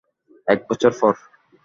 এক বছর পর।